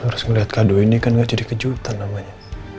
harus melihat kado ini kan gak jadi kejutan namanya